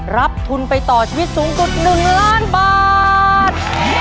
รับทุนไปต่อชีวิตสูงสุด๑ล้านบาท